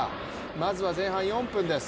まずは前半４分です。